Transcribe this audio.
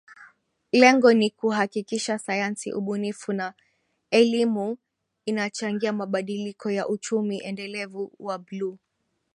Lengo ni kuhakikisha sayansi ubunifu na elimu inachangia mabadiliko ya Uchumi Endelevu wa Bluu